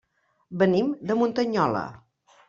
Venim de Muntanyola.